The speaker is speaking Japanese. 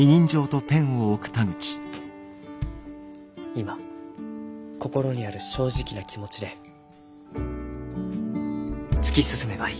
今心にある正直な気持ちで突き進めばいい。